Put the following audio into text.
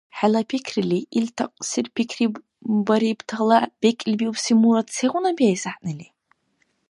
ХӀела пикрили, ил такьсир пикрибарибтала бекӀлибиубси мурад сегъуна биэс гӀягӀнили?